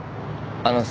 あのさ。